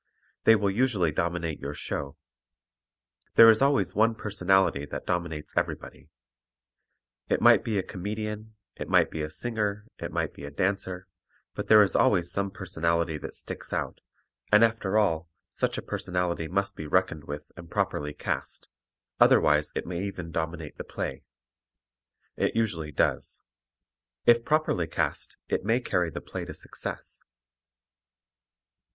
They will usually dominate your show. There is always one personality that dominates everybody. It might be a comedian, it might be a singer, it might be a dancer, but there is always some personality that sticks out, and after all, such a personality must be reckoned with and properly cast, otherwise it may even dominate the play. It usually does. If properly cast it may carry the play to success.